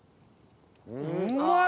うまい！